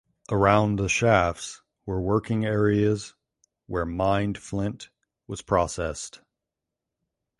Around the shafts were working areas where mined flint was processed.